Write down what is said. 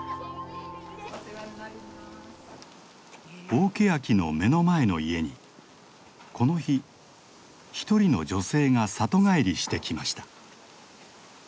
大ケヤキの目の前の家にこの日一人の女性が里帰りしてきました。